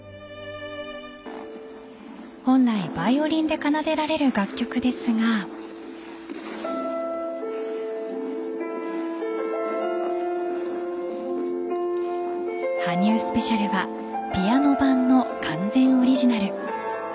本来、バイオリンで奏でられるこの楽曲ですが羽生スペシャルはピアノ版の完全オリジナル。